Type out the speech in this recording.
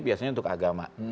biasanya untuk agama